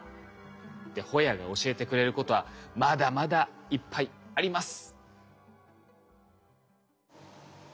でホヤが教えてくれることはまだまだいっぱいあります。